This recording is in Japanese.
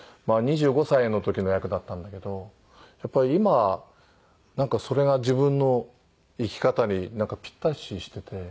２５歳の時の役だったんだけどやっぱり今なんかそれが自分の生き方になんかぴったししてて。